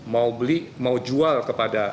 mau beli mau jual kepada